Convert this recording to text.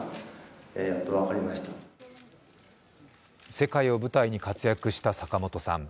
世界を舞台に活躍した坂本さん。